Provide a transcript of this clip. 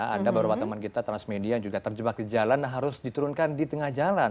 ada beberapa teman kita transmedia yang juga terjebak di jalan harus diturunkan di tengah jalan